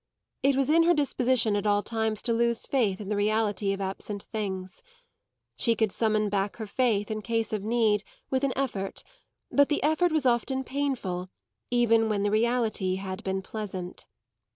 It was in her disposition at all times to lose faith in the reality of absent things; she could summon back her faith, in case of need, with an effort, but the effort was often painful even when the reality had been pleasant.